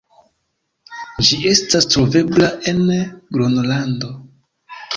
Ĝi estas trovebla en Gronlando.